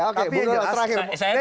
tapi yang terakhir